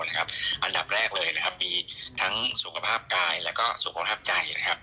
อันดับแรกเลยนะครับมีทั้งสุขภาพกายแล้วก็สุขภาพใจ